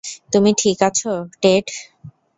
তুমি ঠিক আছ, টেড?